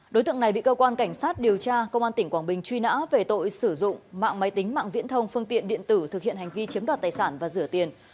đối tượng này bị cơ quan cảnh sát điều tra công an tỉnh quảng bình truy nã về tội sử dụng mạng máy tính mạng viễn thông phương tiện điện tử thực hiện hành vi chiếm đoạt tài sản và rửa tiền